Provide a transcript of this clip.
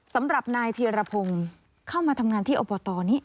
สำหรับนายธีรพงศ์เข้ามาทำงานที่อบตนี้